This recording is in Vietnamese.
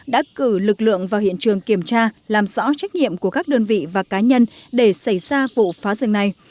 đã cử lực lượng vào hiện trường kiểm tra làm rõ trách nhiệm của các đơn vị và cá nhân để xảy ra vụ phá rừng này